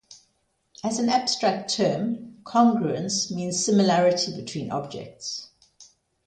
As an abstract term, congruence means similarity between objects.